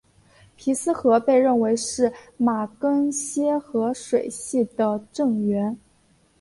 皮斯河被认为是马更些河水系的正源。